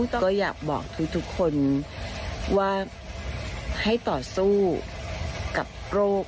ก็อยากบอกทุกคนว่าให้ต่อสู้กับโรค